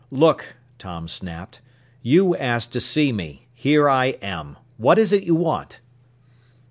"Look!" Tom snapped. "You asked to see me. Here I am. What is it you want?"